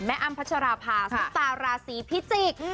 แม่อั้มพัชราพาสุตาราสีพริจิก